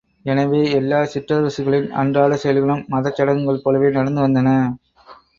எனவே எல்லா சிற்றரசுகளின் அன்றாடச் செயல்களும் மதச் சடங்குகள் போலவே நடந்து வந்தன!